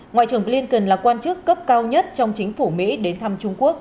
ngoại trưởng blinken là quan chức cấp cao nhất trong chính phủ mỹ đến thăm trung quốc